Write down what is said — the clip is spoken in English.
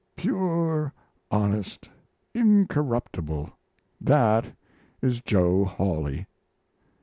Pure, honest, incorruptible, that is Joe Hawley.